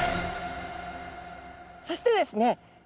そしてですね